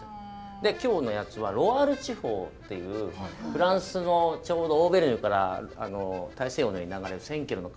で今日のやつはロワール地方っていうフランスのちょうどオーベルジュから大西洋の方に流れる１，０００ｋｍの川があるんですね。